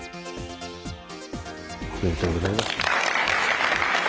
おめでとうございます。